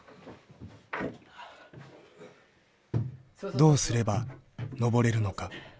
どうすれば登れるのか。